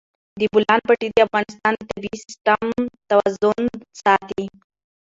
د بولان پټي د افغانستان د طبعي سیسټم توازن ساتي.